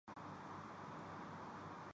یہ پاکستان ہے۔